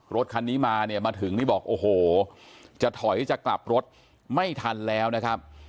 รถคันนี้มาเนี่ยมาถึงนี่บอกโอ้โหจะถอยจะกลับรถไม่ทันแล้วนะครับ